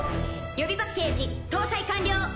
予備パッケージ搭載完了。